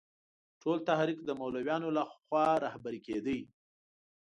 ټول تحریک د مولویانو له خوا رهبري کېده.